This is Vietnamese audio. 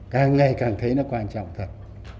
càng ngày càng thấy nó quan trọng thật